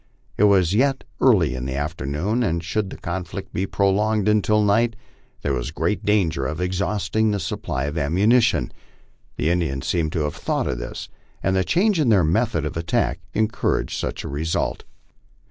It was yet early in the afternoon, and should the conflict be prolonged until night, there was great danger of exhausting the supply of ammunition. The Indians seemed to have thought of this, and the change in their method of attack encouraged such a result.